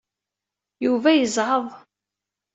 Yuba yezɛeḍ.